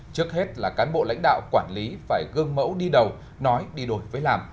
trước hết là cán bộ lãnh đạo quản lý phải gương mẫu đi đầu nói đi đổi với làm